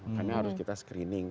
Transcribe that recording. makanya harus kita screening